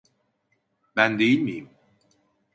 Ben değil miyim?